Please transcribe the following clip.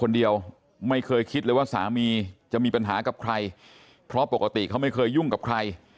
คนเดียวไม่เคยคิดเลยว่าสามีจะมีปัญหากับใครเพราะปกติเขาไม่เคยยุ่งกับใคร